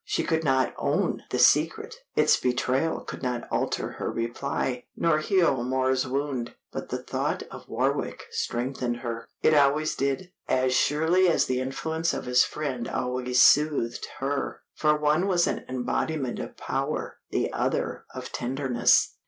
She could not own this secret, its betrayal could not alter her reply, nor heal Moor's wound, but the thought of Warwick strengthened her. It always did, as surely as the influence of his friend always soothed her, for one was an embodiment of power, the other of tenderness.